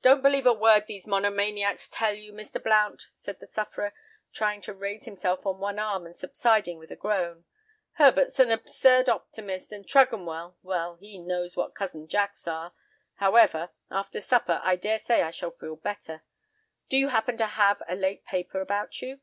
"Don't believe a word these monomaniacs tell you, Mr. Blount," said the sufferer, trying to raise himself on one arm, and subsiding with a groan. "Herbert's an absurd optimist, and Tregonwell—well, we know what Cousin Jacks are. However, after supper, I daresay I shall feel better. Do you happen to have a late paper about you?"